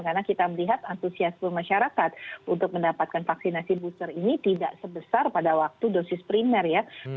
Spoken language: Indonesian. karena kita melihat antusiasme masyarakat untuk mendapatkan vaksinasi booster ini tidak sebesar pada waktu dosis primer ya